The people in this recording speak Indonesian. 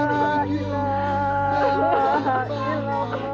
bantu kita bu